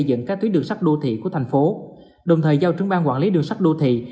dẫn các tuyến đường sắt đô thị của thành phố đồng thời giao trưởng bang quản lý đường sắt đô thị